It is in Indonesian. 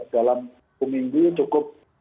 dalam minggu cukup